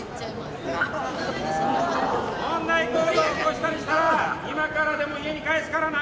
問題行動を起こしたりしたら今からでも家に帰すからな！